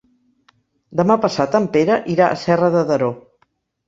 Demà passat en Pere irà a Serra de Daró.